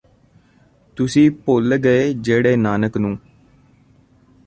ਤੁਸੀਂ ਭੁੱਲ ਗਏ ਜੇੜੇ ਨਾਨਕ ਨੂੰ